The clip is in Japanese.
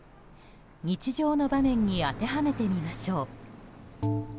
日常の場面に当てはめてみましょう。